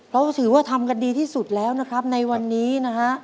เราถือว่าทำกันดีที่สุดแล้วนะครับในวันนี้นะฮะ